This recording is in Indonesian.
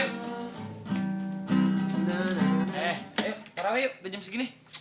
eh ayo tarap yuk udah jam segini